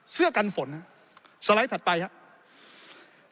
เสื้อกันฝนครับสไลด์ถัดไปครับ